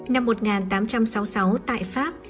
năm một nghìn tám trăm sáu mươi sáu tại pháp